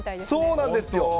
そうなんですよ。